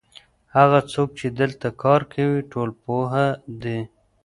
هغه څوک چې دلته کار کوي ټولنپوه دی.